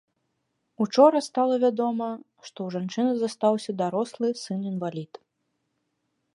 Учора стала вядома, што ў жанчыны застаўся дарослы сын-інвалід.